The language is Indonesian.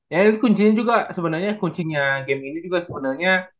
dan kuncinya juga sebenernya